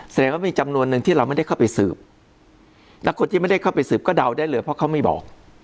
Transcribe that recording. แสดงว่ามีจำนวนหนึ่งที่เราไม่ได้เข้าไปสืบแล้วคนที่ไม่ได้เข้าไปสืบก็เดาได้เลยเพราะเขาไม่บอก